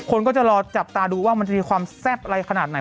คนก็จะรอจับตาดูว่ามันจะมีความแซ่บอะไรขนาดไหน